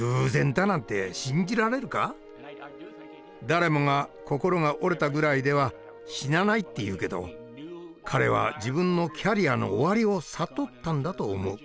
誰もが心が折れたぐらいでは死なないって言うけど彼は自分のキャリアの終わりを悟ったんだと思う。